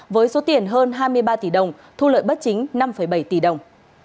với số tiền hơn hai mươi ba tỷ đồng thu lợi bất chính năm bảy tỷ đồng